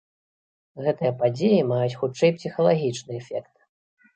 Гэтыя падзеі маюць хутчэй псіхалагічны эфект.